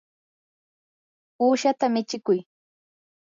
uushata michikuy.